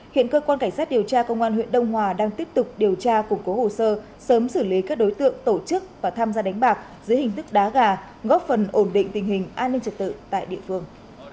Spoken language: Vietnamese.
hiện cơ quan cảnh sát điều tra công an huyện đông hòa đang tiếp tục điều tra củng cố hồ sơ sớm xử lý các đối tượng tổ chức và tham gia đánh bạc dưới hình thức đá gà góp phần ổn định tình hình an ninh trật tự tại địa phương